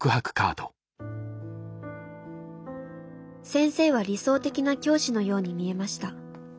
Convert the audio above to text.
「先生は理想的な教師のように見えました。